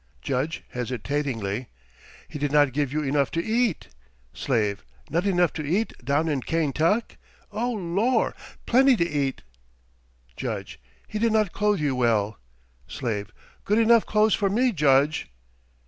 Judge, hesitatingly: "He did not give you enough to eat?" Slave: "Not enough to eat down in Kaintuck? Oh, Lor', plenty to eat." Judge: "He did not clothe you well?" Slave: "Good enough clothes for me, Judge."